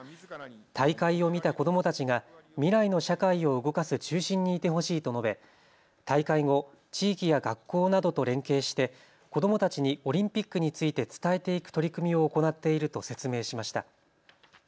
大会を見た子どもたちが未来の社会を動かす中心にいてほしいと述べ大会後、地域や学校などと連携して子どもたちにオリンピックについて伝えていく取り組みを行っていると説明しました。